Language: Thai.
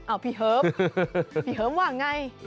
อ้าวพี่เหิมพี่เหิมว่าอย่างไร